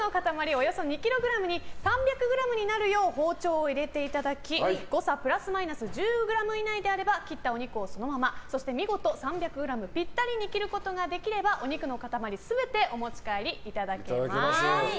およそ２ｋｇに３００ｇになるよう包丁を入れていただき誤差プラスマイナス１０ｇ以内であれば切ったお肉をそのまま見事３００ｇピッタリに切ることができればお肉の塊全てお持ち帰りいただけます。